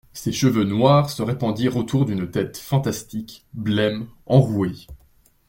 Ses cheveux noirs se répandirent autour d'une tête fantastique, blême, enrouée.